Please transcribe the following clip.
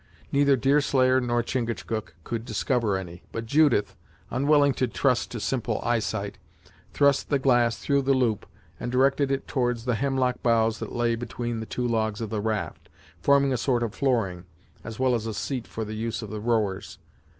Neither Deerslayer nor Chingachgook could discover any, but Judith, unwilling to trust to simple eyesight, thrust the glass through the loop, and directed it towards the hemlock boughs that lay between the two logs of the raft, forming a sort of flooring, as well as a seat for the use of the rowers.